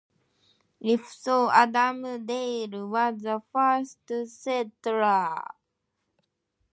If so, Adam Dale was the first settler.